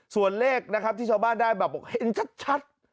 ส่วนเลขนะครับที่ชาวบ้านได้แบบบอกเห็นชัด